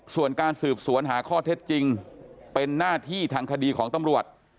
ส่วนการสืบสวนหาข้อเท็จจริงเป็นหน้าที่ทางคดีของตำรวจ